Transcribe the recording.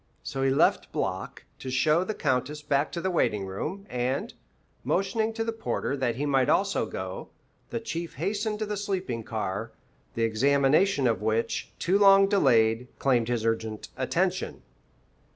So he left Block to show the Countess back to the waiting room, and, motioning to the porter that he might also go, the Chief hastened to the sleeping car, the examination of which, too long delayed, claimed his urgent attention.